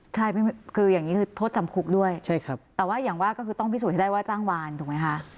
ใช่คืออย่างนี้คือโทษจำคุกด้วยแต่ว่าอย่างว่าก็คือต้องพิสูจนให้ได้ว่าจ้างวานถูกไหมคะ